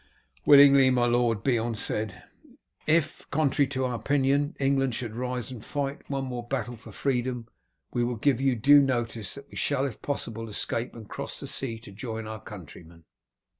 "Willingly, my lord," Beorn said. "If, contrary to our opinion, England should rise and fight one more battle for freedom, we will give you due notice that we shall if possible escape and cross the sea to join our countrymen."